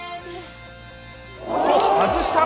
と外した！